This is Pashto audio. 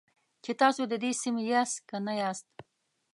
چې تاسو د دې سیمې یاست که نه یاست.